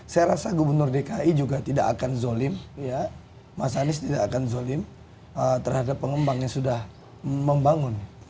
saya rasa gubernur dki juga tidak akan zolim mas anies tidak akan zolim terhadap pengembang yang sudah membangun